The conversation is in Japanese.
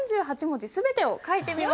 ４８文字？